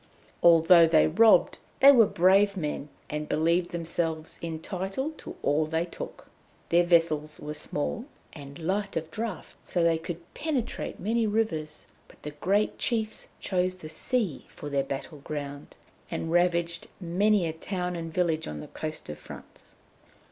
Although they robbed, they were brave men, and believed themselves entitled to all they took. Their vessels were small, and light of draught, so they could penetrate many rivers, but the great chiefs chose the sea for their battle ground, and ravaged many a town and village on the coast of France.